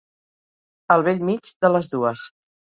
Al bell mig de les dues.